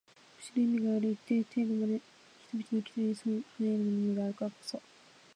むしろ意味がある一定程度まで人々の期待に添う範囲内のものであるからこそ